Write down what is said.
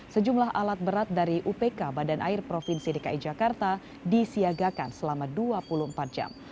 sejumlah alat berat dari upk badan air provinsi dki jakarta disiagakan selama dua puluh empat jam